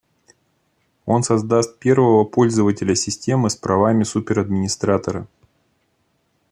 Он создаст первого пользователя системы с правами супер-администратора